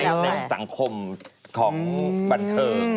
ในสังคมของบันเทิง